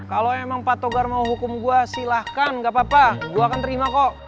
kalo emang pak togar mau hukum gue silahkan gapapa gue akan terima kok